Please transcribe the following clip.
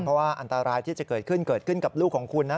เพราะว่าอันตรายที่จะเกิดขึ้นเกิดขึ้นกับลูกของคุณนะ